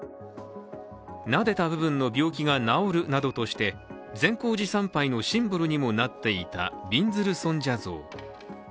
なでた部分の病気が治るなどとして善光寺参拝のシンボルにもなっていたびんずる尊者像。